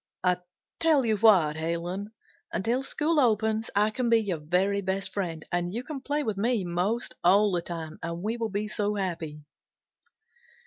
"I tell you what, Helen, until school opens I can be your very best friend, and you can play with me 'most all the time, and we will be so happy."